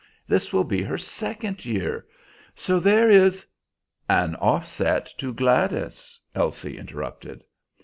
This will be her second year. So there is" "An offset to Gladys," Elsie interrupted.